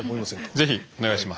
ぜひお願いします。